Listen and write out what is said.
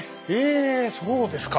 えそうですか！